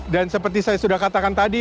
dan seperti saya sudah katakan tadi